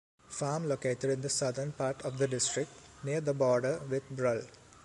Farm located in the southern part of the district, near the border with Brull.